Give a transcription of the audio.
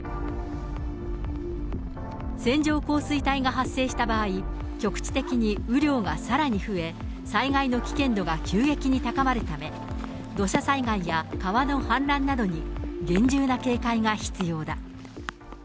線状降水帯が発生した場合、局地的に雨量がさらに増え、災害の危険度が急激に高まるため、土砂災害や川の氾濫などに厳重な警戒が必要だ。